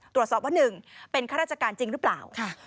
ตรวจสอบว่า๑เป็นข้าราชการจริงหรือเปล่า